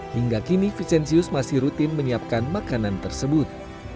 hingga kini visentius masih rutin menyiapkan makanan tersebut